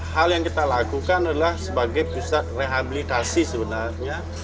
hal yang kita lakukan adalah sebagai pusat rehabilitasi sebenarnya